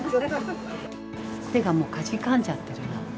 手がもうかじかんじゃってるの。